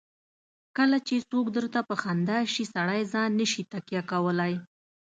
کله چې څوک درته په خندا شي سړی ځان نه شي تکیه کولای.